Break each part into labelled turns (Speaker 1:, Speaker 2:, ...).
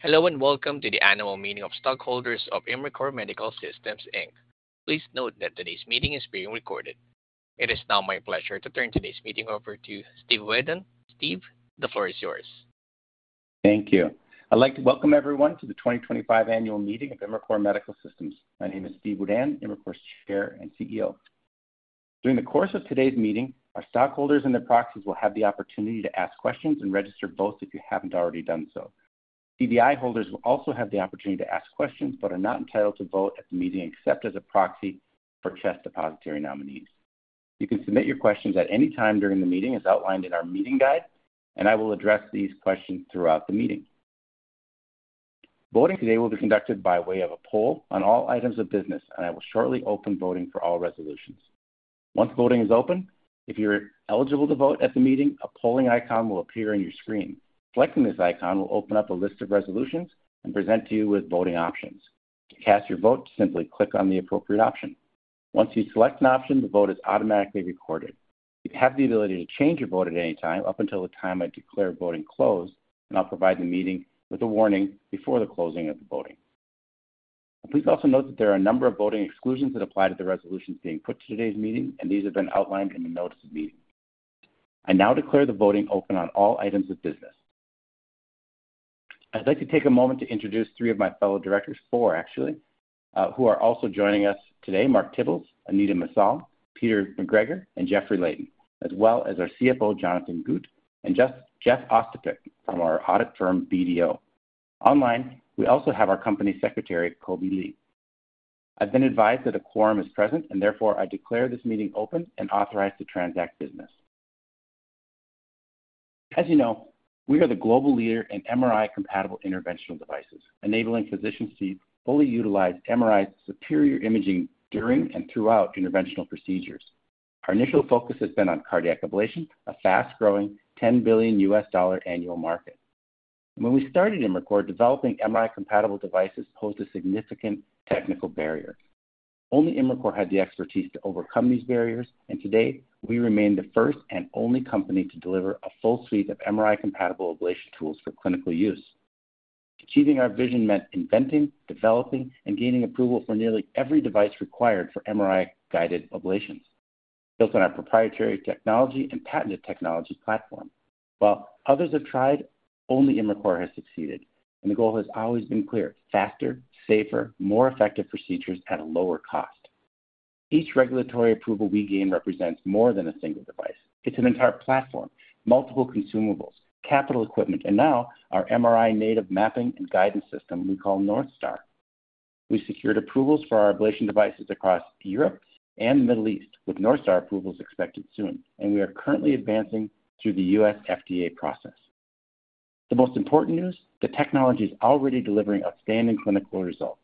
Speaker 1: Hello and welcome to the Annual Meeting of Stakeholders of Imricor Medical Systems. Please note that today's meeting is being recorded. It is now my pleasure to turn today's meeting over to Steve Wedan. Steve, the floor is yours.
Speaker 2: Thank you. I'd like to welcome everyone to the 2025 Annual Meeting of Imricor Medical Systems. My name is Steve Wedan, Imricor's Chair and CEO. During the course of today's meeting, our stakeholders and their proxies will have the opportunity to ask questions and register both if you haven't already done so. CDI holders will also have the opportunity to ask questions but are not entitled to vote at the meeting except as a proxy for CHESS Depository nominees. You can submit your questions at any time during the meeting as outlined in our meeting guide, and I will address these questions throughout the meeting. Voting today will be conducted by way of a poll on all items of business, and I will shortly open voting for all resolutions. Once voting is open, if you're eligible to vote at the meeting, a polling icon will appear on your screen. Selecting this icon will open up a list of resolutions and present you with voting options. To cast your vote, simply click on the appropriate option. Once you select an option, the vote is automatically recorded. You have the ability to change your vote at any time up until the time I declare voting closed, and I'll provide the meeting with a warning before the closing of the voting. Please also note that there are a number of voting exclusions that apply to the resolutions being put to today's meeting, and these have been outlined in the notice of meeting. I now declare the voting open on all items of business. I'd like to take a moment to introduce three of my fellow directors, four actually, who are also joining us today: Mark Tibbles, Anita Misal, Peter McGregor, and Jeffrey Layton, as well as our CFO, Jonathan Gut, and Jeff Ostapeic from our audit firm, BDO. Online, we also have our company secretary, Kobe Li. I've been advised that a quorum is present, and therefore I declare this meeting open and authorize to transact business. As you know, we are the global leader in MRI-compatible interventional devices, enabling physicians to fully utilize MRI's superior imaging during and throughout interventional procedures. Our initial focus has been on cardiac ablation, a fast-growing $10 billion annual market. When we started Imricor, developing MRI-compatible devices posed a significant technical barrier. Only Imricor had the expertise to overcome these barriers, and today we remain the first and only company to deliver a full suite of MRI-compatible ablation tools for clinical use. Achieving our vision meant inventing, developing, and gaining approval for nearly every device required for MRI-guided ablations, built on our proprietary technology and patented technology platform. While others have tried, only Imricor has succeeded, and the goal has always been clear: faster, safer, more effective procedures at a lower cost. Each regulatory approval we gain represents more than a single device. It's an entire platform, multiple consumables, capital equipment, and now our MRI-native mapping and guidance system we call Northstar. We've secured approvals for our ablation devices across Europe and the Middle East, with Northstar approvals expected soon, and we are currently advancing through the U.S. FDA process. The most important news: the technology is already delivering outstanding clinical results.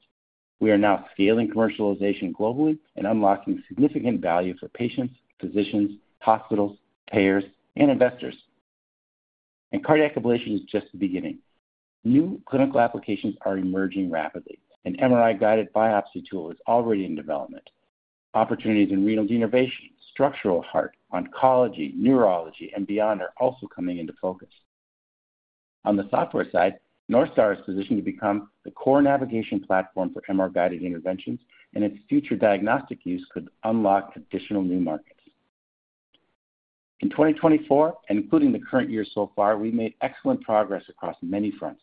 Speaker 2: We are now scaling commercialization globally and unlocking significant value for patients, physicians, hospitals, payers, and investors. Cardiac ablation is just the beginning. New clinical applications are emerging rapidly. An MRI-guided biopsy tool is already in development. Opportunities in renal denervation, structural heart, oncology, neurology, and beyond are also coming into focus. On the software side, Northstar is positioned to become the core navigation platform for MRI-guided interventions, and its future diagnostic use could unlock additional new markets. In 2024, and including the current year so far, we've made excellent progress across many fronts.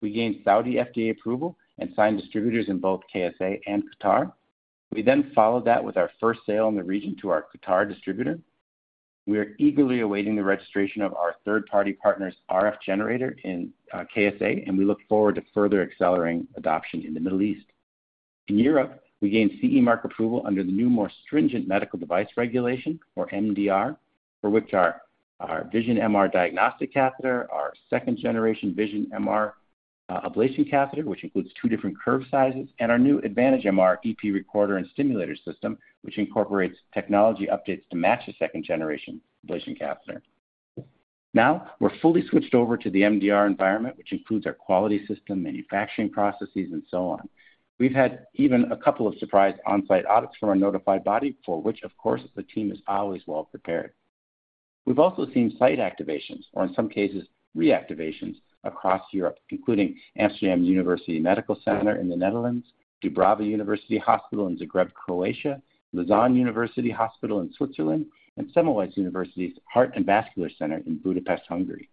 Speaker 2: We gained Saudi FDA approval and signed distributors in both KSA and Qatar. We then followed that with our first sale in the region to our Qatar distributor. We are eagerly awaiting the registration of our third-party partner's RF generator in KSA, and we look forward to further accelerating adoption in the Middle East. In Europe, we gained CE mark approval under the new, more stringent Medical Device Regulation, or MDR, for which our Vision-MR Diagnostic Catheter, our second-generation Vision-MR Ablation Catheter, which includes two different curve sizes, and our new Advantage-MR EP Recorder/Stimulator system, which incorporates technology updates to match the second-generation ablation catheter. Now we're fully switched over to the MDR environment, which includes our quality system, manufacturing processes, and so on. We've had even a couple of surprise on-site audits from our notified body, for which, of course, the team is always well prepared. We've also seen site activations, or in some cases, reactivations, across Europe, including Amsterdam University Medical Center in the Netherlands, Dubrava University Hospital in Zagreb, Croatia, Lausanne University Hospital in Switzerland, and Semmelweis University's Heart and Vascular Center in Budapest, Hungary.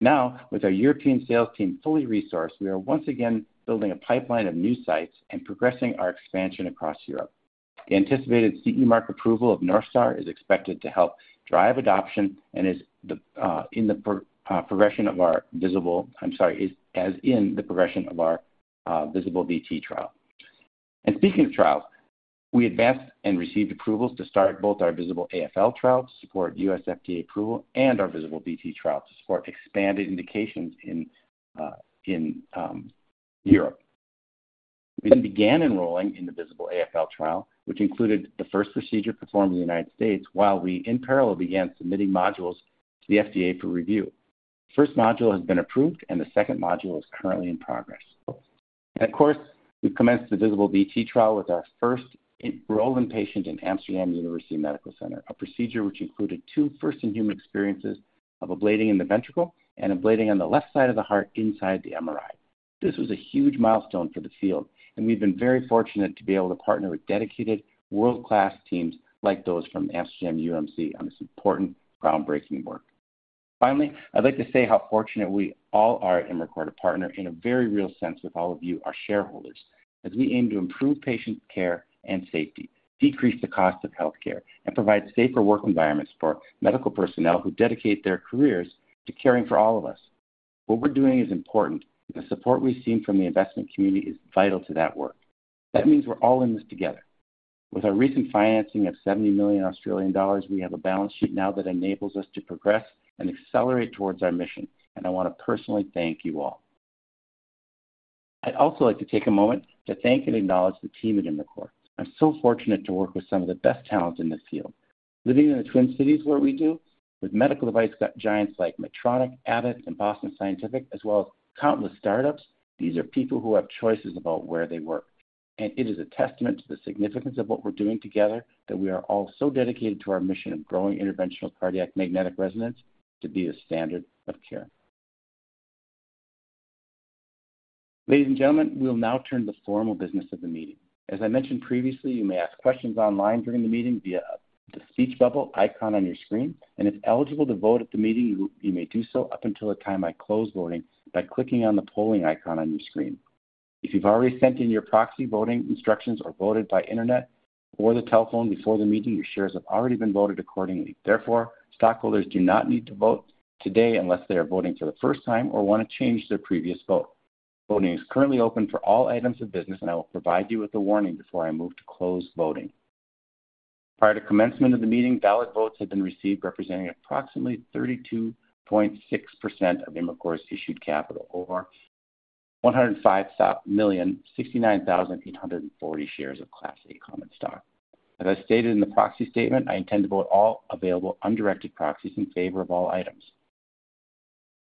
Speaker 2: Now, with our European sales team fully resourced, we are once again building a pipeline of new sites and progressing our expansion across Europe. The anticipated CE mark approval of Northstar is expected to help drive adoption and is in the progression of our VISABL—I'm sorry, is as in the progression of our VISABL-VT trial. Speaking of trials, we advanced and received approvals to start both our VISABL-AFL trial to support U.S. FDA approval and our VISABL-VT trial to support expanded indications in Europe. We then began enrolling in the VISABL-AFL trial, which included the first procedure performed in the United States, while we, in parallel, began submitting modules to the FDA for review. The first module has been approved, and the second module is currently in progress. Of course, we've commenced the VISABL-VT trial with our first enrolling patient in Amsterdam University Medical Center, a procedure which included two first-in-human experiences of ablating in the ventricle and ablating on the left side of the heart inside the MRI. This was a huge milestone for the field, and we've been very fortunate to be able to partner with dedicated, world-class teams like those from Amsterdam UMC on this important groundbreaking work. Finally, I'd like to say how fortunate we all are at Imricor to partner, in a very real sense, with all of you, our shareholders, as we aim to improve patient care and safety, decrease the cost of healthcare, and provide safer work environments for medical personnel who dedicate their careers to caring for all of us. What we're doing is important, and the support we've seen from the investment community is vital to that work. That means we're all in this together. With our recent financing of 70 million Australian dollars, we have a balance sheet now that enables us to progress and accelerate towards our mission, and I want to personally thank you all. I'd also like to take a moment to thank and acknowledge the team at Imricor. I'm so fortunate to work with some of the best talent in this field. Living in the Twin Cities, where we do, with medical device giants like Medtronic, Abbott, and Boston Scientific, as well as countless startups, these are people who have choices about where they work. It is a testament to the significance of what we're doing together that we are all so dedicated to our mission of growing interventional cardiac magnetic resonance to be the standard of care. Ladies and gentlemen, we will now turn to the formal business of the meeting. As I mentioned previously, you may ask questions online during the meeting via the speech bubble icon on your screen, and if eligible to vote at the meeting, you may do so up until the time I close voting by clicking on the polling icon on your screen. If you've already sent in your proxy voting instructions or voted by internet or the telephone before the meeting, your shares have already been voted accordingly. Therefore, stakeholders do not need to vote today unless they are voting for the first time or want to change their previous vote. Voting is currently open for all items of business, and I will provide you with a warning before I move to close voting. Prior to commencement of the meeting, valid votes have been received representing approximately 32.6% of Imricor's issued capital, or 10,569,840 shares of Class A common stock. As I stated in the proxy statement, I intend to vote all available undirected proxies in favor of all items.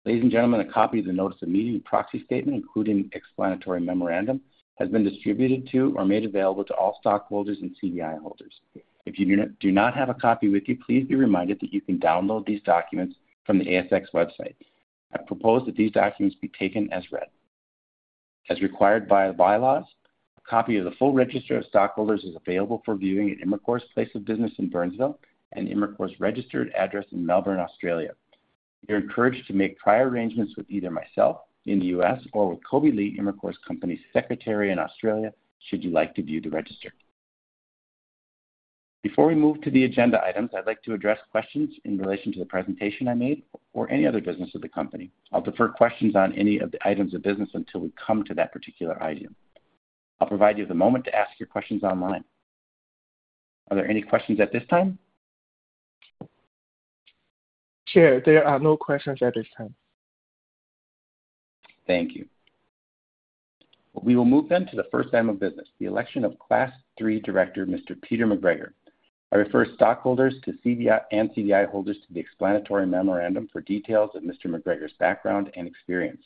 Speaker 2: Ladies and gentlemen, a copy of the notice of meeting proxy statement, including explanatory memorandum, has been distributed to or made available to all stockholders and CDI holders. If you do not have a copy with you, please be reminded that you can download these documents from the ASX website. I propose that these documents be taken as read. As required by the bylaws, a copy of the full register of stockholders is available for viewing at Imricor's place of business in Burnsville and Imricor's registered address in Melbourne, Australia. You're encouraged to make prior arrangements with either myself in the U.S. or with Kobe Li, Imricor's Company Secretary in Australia, should you like to view the register. Before we move to the agenda items, I'd like to address questions in relation to the presentation I made or any other business of the company. I'll defer questions on any of the items of business until we come to that particular item. I'll provide you with a moment to ask your questions online. Are there any questions at this time?
Speaker 3: Chair, there are no questions at this time.
Speaker 2: Thank you. We will move then to the first item of business, the election of Class III Director, Mr. Peter McGregor. I refer stakeholders and CDI holders to the explanatory memorandum for details of Mr. McGregor's background and experience.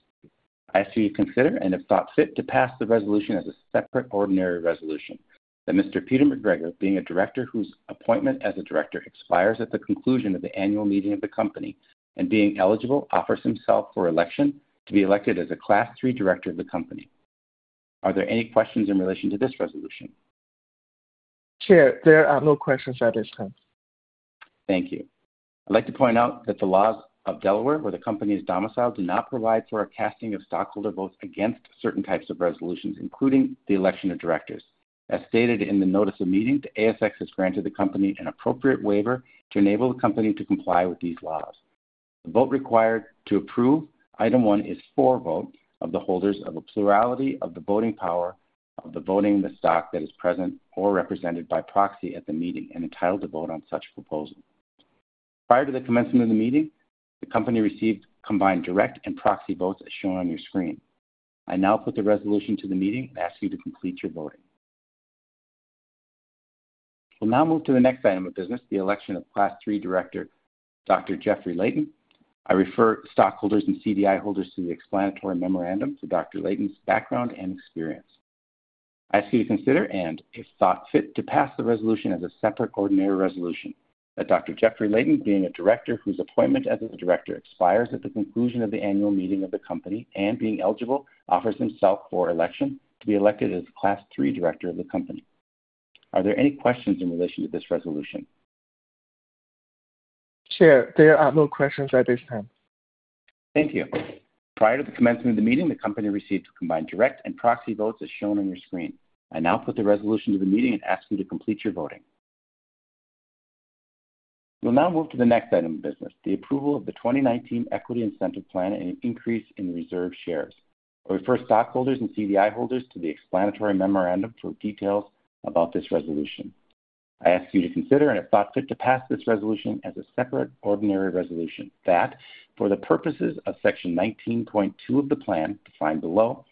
Speaker 2: I ask you to consider and, if thought fit, to pass the resolution as a separate ordinary resolution, that Mr. Peter McGregor, being a director whose appointment as a director expires at the conclusion of the annual meeting of the company and being eligible, offers himself for election to be elected as a Class III Director of the company. Are there any questions in relation to this resolution?
Speaker 3: Chair, there are no questions at this time.
Speaker 2: Thank you. I'd like to point out that the laws of Delaware, where the company is domiciled, do not provide for a casting of stockholder votes against certain types of resolutions, including the election of directors. As stated in the notice of meeting, the ASX has granted the company an appropriate waiver to enable the company to comply with these laws. The vote required to approve item one is for vote of the holders of a plurality of the voting power of the voting in the stock that is present or represented by proxy at the meeting and entitled to vote on such proposal. Prior to the commencement of the meeting, the company received combined direct and proxy votes as shown on your screen. I now put the resolution to the meeting and ask you to complete your voting. We'll now move to the next item of business, the election of Class III Director, Dr. Jeffrey Layton. I refer stakeholders and CDI holders to the explanatory memorandum for Dr. Layton's background and experience. I ask you to consider and, if thought fit, to pass the resolution as a separate ordinary resolution, that Dr. Jeffrey Layton, being a director whose appointment as a director expires at the conclusion of the annual meeting of the company and being eligible, offers himself for election to be elected as a Class III Director of the company. Are there any questions in relation to this resolution?
Speaker 3: Chair, there are no questions at this time.
Speaker 2: Thank you. Prior to the commencement of the meeting, the company received combined direct and proxy votes as shown on your screen. I now put the resolution to the meeting and ask you to complete your voting. We'll now move to the next item of business, the approval of the 2019 Equity Incentive Plan and an increase in reserve shares. I refer stakeholders and CDI holders to the explanatory memorandum for details about this resolution. I ask you to consider and, if thought fit, to pass this resolution as a separate ordinary resolution, that for the purposes of Section 19.2 of the plan defined below,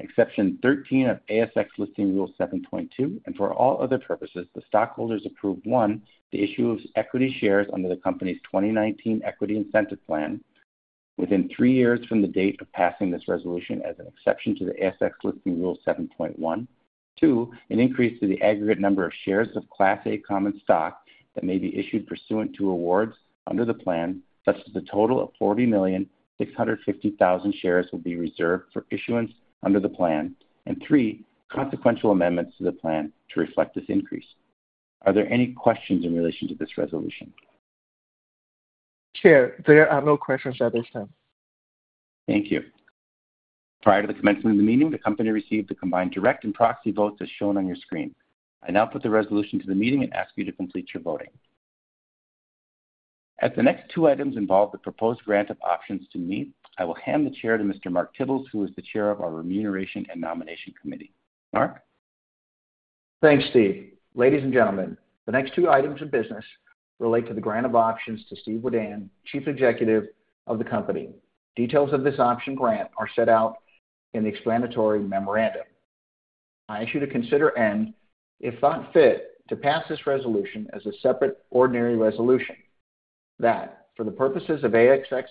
Speaker 2: Exception 13 of ASX Listing Rule 7.2, and for all other purposes, the stakeholders approve: one, the issue of equity shares under the company's 2019 Equity Incentive Plan within three years from the date of passing this resolution as an exception to the ASX Listing Rule 7.1; two, an increase to the aggregate number of shares of Class A common stock that may be issued pursuant to awards under the plan, such that the total of 40,650,000 shares will be reserved for issuance under the plan; and three, consequential amendments to the plan to reflect this increase. Are there any questions in relation to this resolution?
Speaker 3: Chair, there are no questions at this time.
Speaker 2: Thank you. Prior to the commencement of the meeting, the company received the combined direct and proxy votes as shown on your screen. I now put the resolution to the meeting and ask you to complete your voting. As the next two items involve the proposed grant of options to me, I will hand the chair to Mr. Mark Tibbles, who is the Chair of our Remuneration and Nomination Committee. Mark?
Speaker 4: Thanks, Steve. Ladies and gentlemen, the next two items of business relate to the grant of options to Steve Wedan, Chief Executive Officer of the company. Details of this option grant are set out in the explanatory memorandum. I ask you to consider and, if thought fit, to pass this resolution as a separate ordinary resolution, that for the purposes of ASX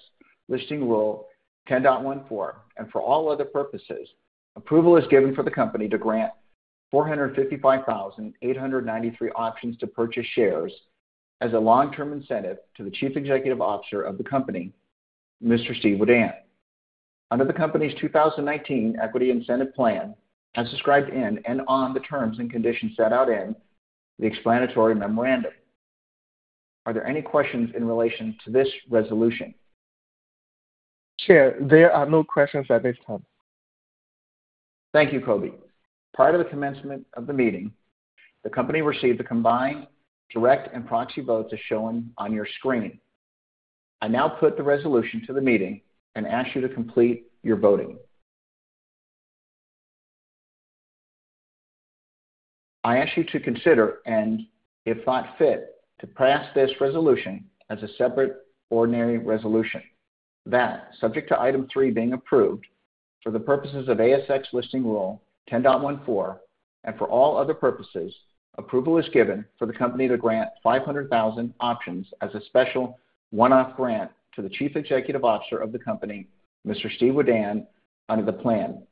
Speaker 4: Listing Rule 10.14 and for all other purposes, approval is given for the company to grant 455,893 options to purchase shares as a long-term incentive to the Chief Executive Officer of the company, Mr. Steve Wedan, under the company's 2019 Equity Incentive Plan, as described in and on the terms and conditions set out in the explanatory memorandum. Are there any questions in relation to this resolution?
Speaker 3: Chair, there are no questions at this time.
Speaker 4: Thank you, Kobe. Prior to the commencement of the meeting, the company received the combined direct and proxy votes as shown on your screen. I now put the resolution to the meeting and ask you to complete your voting. I ask you to consider and, if thought fit, to pass this resolution as a separate ordinary resolution, that subject to item three being approved for the purposes of ASX Listing Rule 10.14 and for all other purposes, approval is given for the company to grant 500,000 options as a special one-off grant to the Chief Executive Officer of the company, Mr. Steve Wedan, under the plan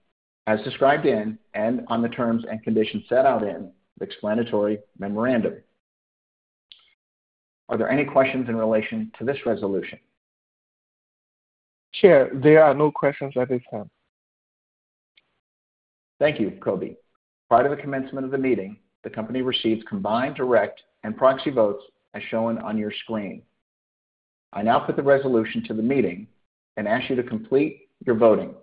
Speaker 4: as described in and on the terms and conditions set out in the explanatory memorandum. Are there any questions in relation to this resolution?
Speaker 3: Chair, there are no questions at this time.
Speaker 4: Thank you, Kobe. Prior to the commencement of the meeting, the company received combined direct and proxy votes as shown on your screen. I now put the resolution to the meeting and ask you to complete your voting.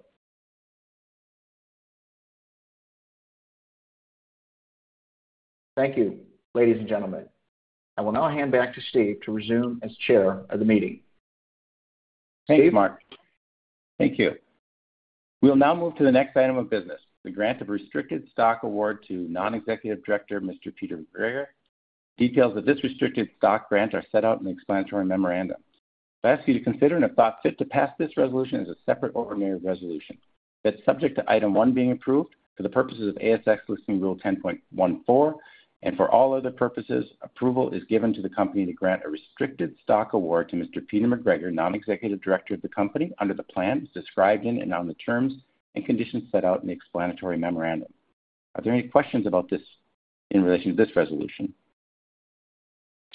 Speaker 4: Thank you, ladies and gentlemen. I will now hand back to Steve to resume as Chair of the meeting.
Speaker 2: Thank you, Mark. Thank you. We will now move to the next item of business, the grant of restricted stock award to Non-Executive director, Mr. Peter McGregor. Details of this restricted stock grant are set out in the explanatory memorandum. I ask you to consider and, if thought fit, to pass this resolution as a separate ordinary resolution. That is subject to item one being approved for the purposes of ASX Listing Rule 10.14 and for all other purposes, approval is given to the company to grant a restricted stock award to Mr. Peter McGregor, Non-Executive Director of the company under the plan described in and on the terms and conditions set out in the explanatory memorandum. Are there any questions about this in relation to this resolution?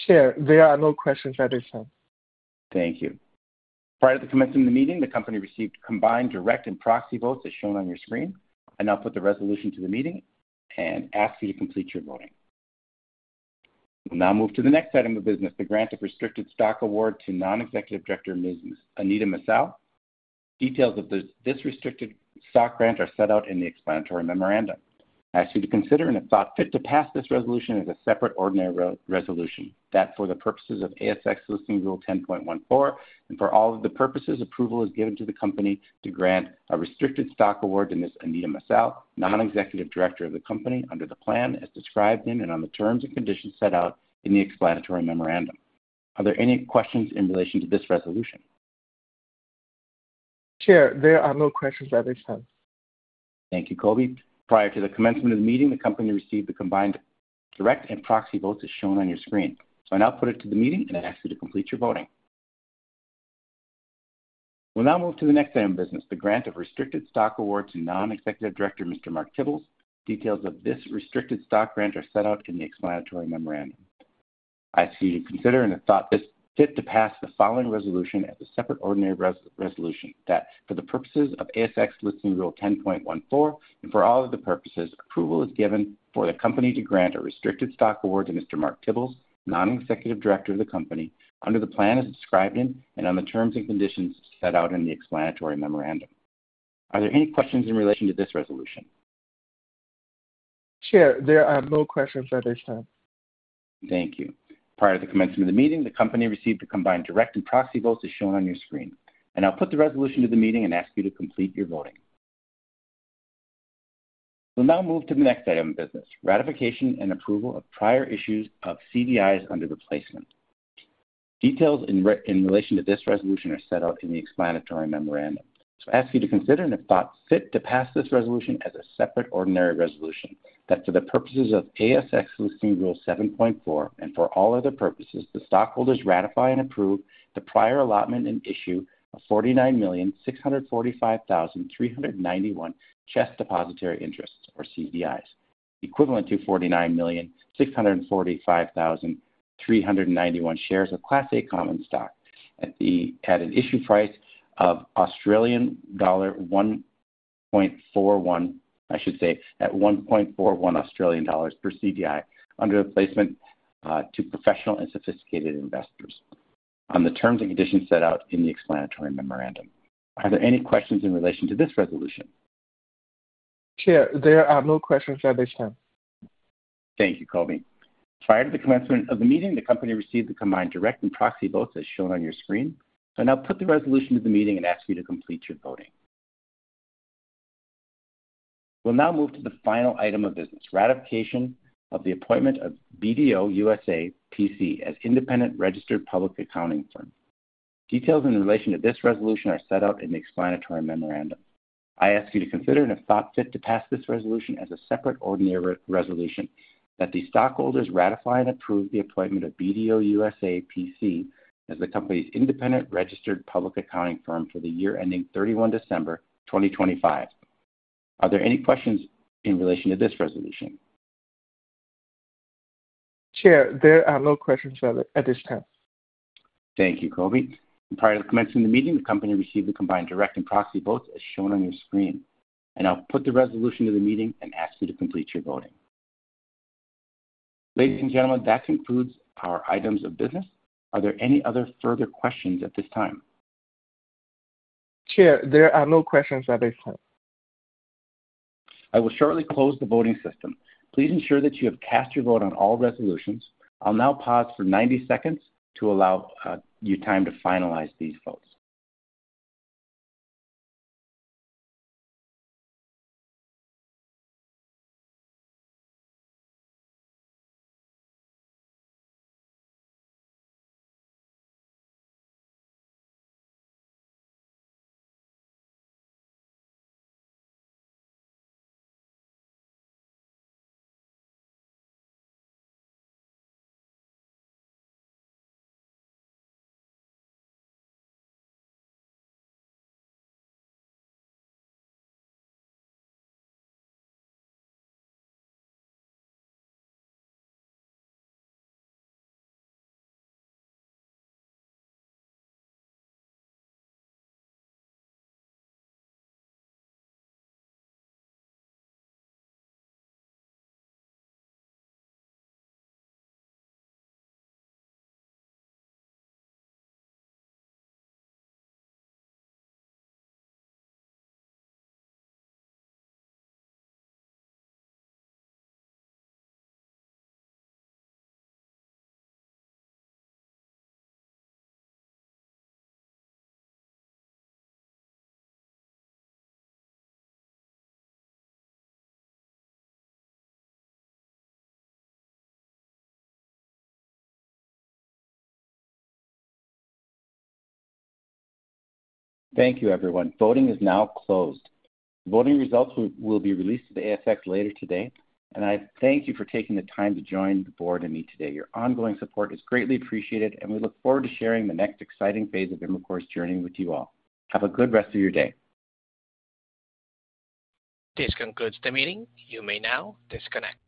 Speaker 3: Chair, there are no questions at this time.
Speaker 4: Thank you. Prior to the commencement of the meeting, the company received combined direct and proxy votes as shown on your screen. I now put the resolution to the meeting and ask you to complete your voting. We'll now move to the next item of business, the grant of restricted stock award to Non-Executive director, Ms. Anita Misal. Details of this restricted stock grant are set out in the explanatory memorandum. I ask you to consider and, if thought fit, to pass this resolution as a separate ordinary resolution, that for the purposes of ASX Listing Rule 10.14 and for all of the purposes, approval is given to the company to grant a restricted stock award to Ms. Anita Misal, Non-Executive Director of the company under the plan as described in and on the terms and conditions set out in the explanatory memorandum. Are there any questions in relation to this resolution?
Speaker 3: Chair, there are no questions at this time.
Speaker 2: Thank you, Kobe. Prior to the commencement of the meeting, the company received the combined direct and proxy votes as shown on your screen. I now put it to the meeting and ask you to complete your voting. We'll now move to the next item of business, the grant of restricted stock award to Non-Executive Director, Mr. Mark Tibbles. Details of this restricted stock grant are set out in the explanatory memorandum. I ask you to consider and, if thought fit, to pass the following resolution as a separate ordinary resolution, that for the purposes of ASX Listing Rule 10.14 and for all other purposes, approval is given for the company to grant a restricted stock award to Mr. Mark Tibbles, Non-Executive Director of the company under the plan as described in and on the terms and conditions set out in the explanatory memorandum. Are there any questions in relation to this resolution?
Speaker 3: Chair, there are no questions at this time.
Speaker 2: Thank you. Prior to the commencement of the meeting, the company received the combined direct and proxy votes as shown on your screen. I will put the resolution to the meeting and ask you to complete your voting. We will now move to the next item of business, ratification and approval of prior issues of CDIs under the placement. Details in relation to this resolution are set out in the explanatory memorandum. I ask you to consider and, if thought fit, to pass this resolution as a separate ordinary resolution, that for the purposes of ASX Listing Rule 7.4 and for all other purposes, the stockholders ratify and approve the prior allotment and issue of 49,645,391 CHESS Depository Interests, or CDIs, equivalent to 49,645,391 shares of Class A common stock at an issue price of Australian dollar 1.41, I should say, at 1.41 Australian dollars per CDI under the placement to professional and sophisticated investors on the terms and conditions set out in the explanatory memorandum. Are there any questions in relation to this resolution?
Speaker 3: Chair, there are no questions at this time.
Speaker 2: Thank you, Kobe. Prior to the commencement of the meeting, the company received the combined direct and proxy votes as shown on your screen. I now put the resolution to the meeting and ask you to complete your voting. We'll now move to the final item of business, ratification of the appointment of BDO USA PC as independent registered public accounting firm. Details in relation to this resolution are set out in the explanatory memorandum. I ask you to consider and, if thought fit, to pass this resolution as a separate ordinary resolution, that the stockholders ratify and approve the appointment of BDO USA PC as the company's independent registered public accounting firm for the year ending 31 December 2025. Are there any questions in relation to this resolution?
Speaker 3: Chair, there are no questions at this time.
Speaker 2: Thank you, Kobe. Prior to the commencement of the meeting, the company received the combined direct and proxy votes as shown on your screen. I will put the resolution to the meeting and ask you to complete your voting. Ladies and gentlemen, that concludes our items of business. Are there any other further questions at this time?
Speaker 3: Chair, there are no questions at this time.
Speaker 2: I will shortly close the voting system. Please ensure that you have cast your vote on all resolutions. I'll now pause for 90 seconds to allow you time to finalize these votes. Thank you, everyone. Voting is now closed. The voting results will be released to the ASX later today. I thank you for taking the time to join the board and me today. Your ongoing support is greatly appreciated, and we look forward to sharing the next exciting phase of Imricor's journey with you all. Have a good rest of your day.
Speaker 1: This concludes the meeting. You may now disconnect.